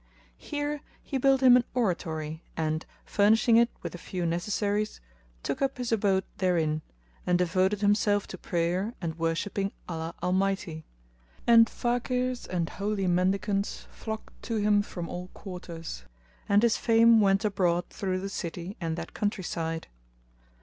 Here he built him an oratory and, furnishing it with a few necessaries, took up his abode therein, and devoted himself to prayer and worshipping Allah Almighty; and Fakirs and holy mendicants flocked to him from all quarters; and his fame went abroad through the city and that country side.